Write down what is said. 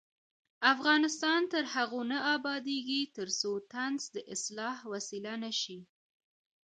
افغانستان تر هغو نه ابادیږي، ترڅو طنز د اصلاح وسیله نشي.